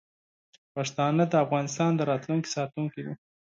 پښتانه د افغانستان د راتلونکي ساتونکي دي.